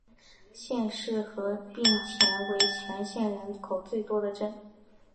县市合并前为全县人口最多的镇。